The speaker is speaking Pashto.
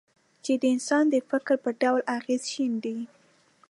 چې د انسان د فکر په ډول اغېز شیندي.